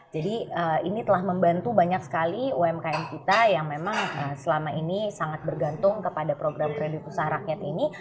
jadi ini telah membantu banyak sekali umkm kita yang memang selama ini sangat bergantung kepada program kredit usaha rakyat ini